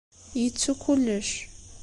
Yettu kullec.